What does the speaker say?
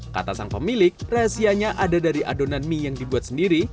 kata sang pemilik rahasianya ada dari adonan mie yang dibuat sendiri